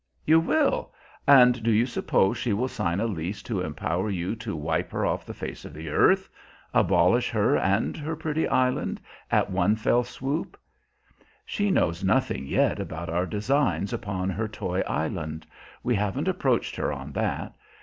"You will! And do you suppose she will sign a lease to empower you to wipe her off the face of the earth abolish her and her pretty island at one fell swoop?" "She knows nothing yet about our designs upon her toy island. We haven't approached her on that.